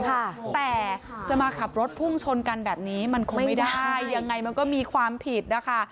แต่จะมาขับรถพุ่งชนกันแบบนี้มันคงไม่ได้ยังไงมันก็มีความผิดนะคะ